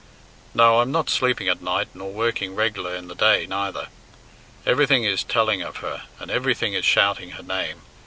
No, I'm not sleeping at night nor working reg'lar in the day neither. Everything is telling of her, and everything is shouting her name.